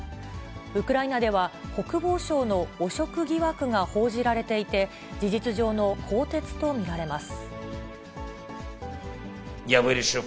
ウクライナでは、国防省の汚職疑惑が報じられていて、事実上の更迭と見られます。